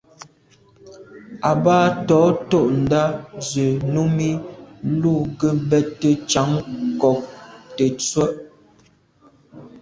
Àbâ tɔ̌ tûɁndá zə̄ Númí lù ngə́ bɛ́tə́ càŋ ŋkɔ̀k tə̀tswə́.